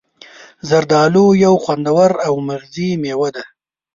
زردآلو یو خوندور او مغذي میوه ده.